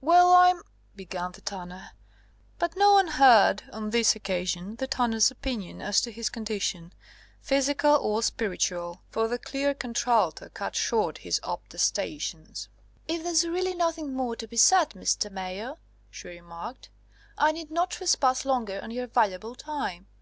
"Well, I'm " began the tanner. But no one heard, on this occasion, the tanner's opinion as to his condition, physical or spiritual; for the clear contralto cut short his obtestations. "If there's really nothing more to be said, Mr. Mayor," she remarked, "I need not trespass longer on your valuable time.